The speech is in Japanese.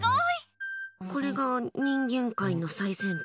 これが人間界の最先端。